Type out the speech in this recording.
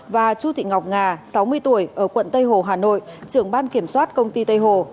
và chu thị ngọc nga sáu mươi tuổi ở quận tây hồ hà nội trưởng ban kiểm soát công ty tây hồ